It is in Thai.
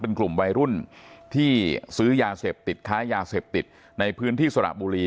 เป็นกลุ่มวัยรุ่นที่ซื้อยาเสพติดค้ายาเสพติดในพื้นที่สระบุรี